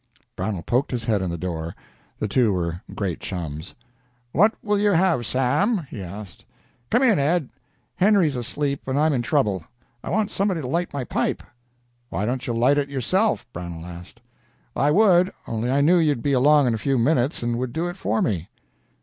Brownell poked his head in the door. The two were great chums. "What will you have, Sam?" he asked. "Come in, Ed; Henry's asleep, and I'm in trouble. I want somebody to light my pipe." "Why don't you light it yourself?" Brownell asked. "I would, only I knew you'd be along in a few minutes and would do it for me."